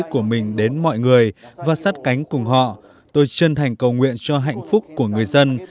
của mình đến mọi người và sát cánh cùng họ tôi chân thành cầu nguyện cho hạnh phúc của người dân